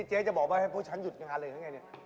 เจ๊จะบอกนะให้พวกฉันหยุดกำลังอะไรเป็นอย่างไร